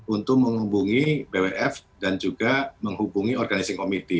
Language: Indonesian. untuk menghubungi bwf dan juga menghubungi komite organisasi